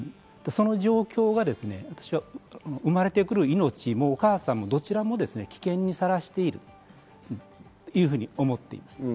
その状況が生まれてくる命もお母さんもどちらも危険にさらしていると思っています。